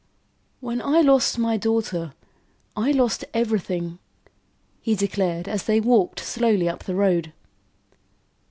"When I lost my daughter, I lost everything," he declared, as they walked slowly up the road.